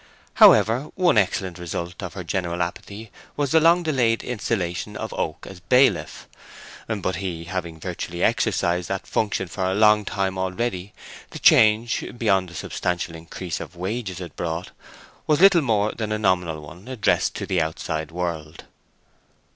However, one excellent result of her general apathy was the long delayed installation of Oak as bailiff; but he having virtually exercised that function for a long time already, the change, beyond the substantial increase of wages it brought, was little more than a nominal one addressed to the outside world.